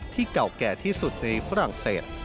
เก่าแก่ที่สุดในฝรั่งเศส